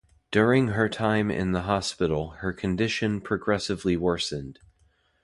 During her time in the hospital her condition progressively worsened.